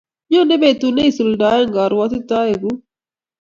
nyoni betu neisuldoi karwotitoikuk